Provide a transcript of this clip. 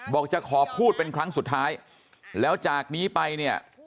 จะขอพูดเป็นครั้งสุดท้ายแล้วจากนี้ไปเนี่ย